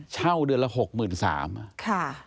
เช่าเดือนละ๖๓๐๐บาท